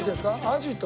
アジと。